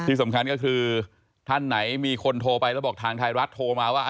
ที่สำคัญก็คือท่านไหนมีคนโทรไปแล้วบอกทางไทยรัฐโทรมาว่า